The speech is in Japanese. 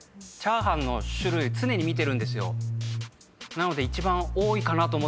なので。